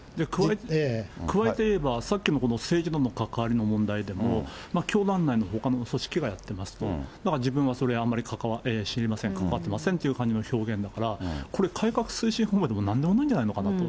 加えて言えば、さっきのこの政治との関わりの問題でも、教団内のほかの組織がやっていますと、だから自分はそれはあんまり知りません、関わってませんという感じの表現だから、これ、改革推進本部でもなんでもないのかなと。